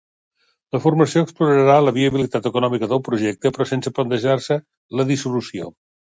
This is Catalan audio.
La formació explorarà la viabilitat econòmica del projecte, però sense plantejar-se la dissolució.